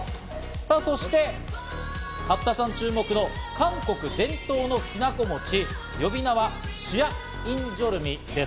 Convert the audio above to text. さぁ、そして八田さん注目の韓国伝統のきなこ餅、呼び名はシアッインジョルミです。